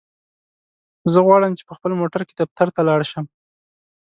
زه غواړم چی په خپل موټرکی دفترته لاړشم.